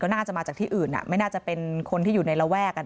น่าจะมาจากที่อื่นไม่น่าจะเป็นคนที่อยู่ในระแวก